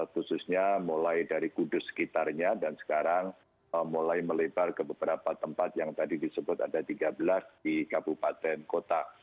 khususnya mulai dari kudus sekitarnya dan sekarang mulai melebar ke beberapa tempat yang tadi disebut ada tiga belas di kabupaten kota